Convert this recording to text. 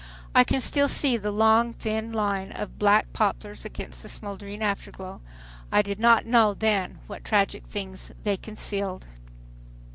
I can still see the long thin line of black poplars against the smoldering afterglow. I did not know then what tragic things they concealed.